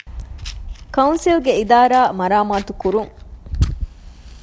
ކައުންސިލްގެ އިދާރާ މަރާމާތުކުރުން